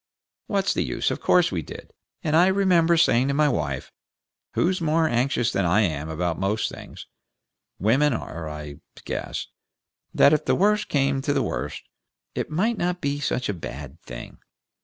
What's the use? Of course we did, and I remember saying to my wife, who's more anxious than I am about most things women are, I guess that if the worst came to the worst, it might not be such a bad thing.